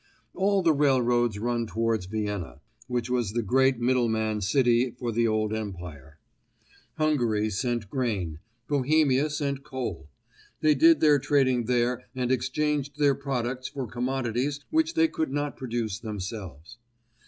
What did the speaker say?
All the railroads run towards Vienna, which was the great middleman city for the old empire. Hungary sent grain. Bohemia sent coal. They did their trading there and exchanged their products for commodities which they could not produce themselves.